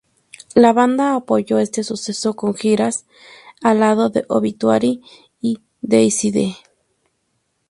La banda apoyó este suceso con giras al lado de Obituary y Deicide.